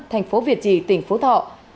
thành phố việt trị tỉnh phú thọ